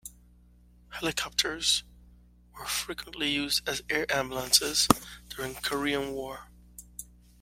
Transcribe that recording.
Helicopters were frequently used as "air ambulances" during Korean War.